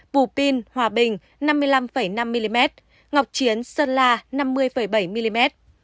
bù pin hòa bình năm mươi năm năm mm ngọc chiến sơn la năm mươi bảy mm